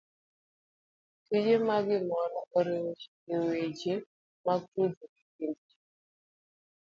Tije ma gitimo oriwo chiko weche mag tudruok e kind ji.